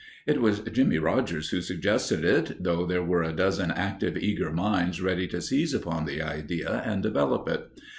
It was Jimmie Rogers who suggested it, though there were a dozen active, eager minds ready to seize upon the idea and develop it.